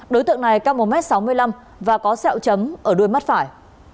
đối tượng này cao một m sáu mươi năm và có sẹo chấm ở đuôi mắt phải